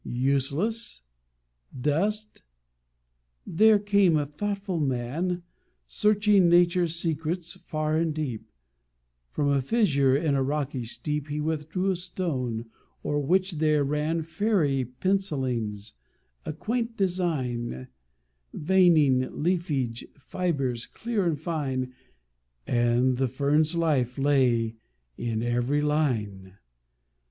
Useless? Dost? There came a thoughtful man Searching Nature's secrets far and deep; From a fissure in a rocky steep He withdrew a stone, o'er which there ran Fairy pencilings, a quaint design, Veining, leafage, fibres, clear and fine, And the fern's life lay in every line.